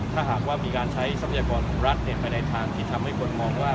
ถ้าหากว่ามีการใช้ทรัพยากรของรัฐไปในทางที่ทำให้คนมองว่า